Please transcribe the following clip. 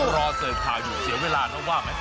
รอเสิร์ฟถ่ายอยู่เสียเวลาเท่าว่าไหม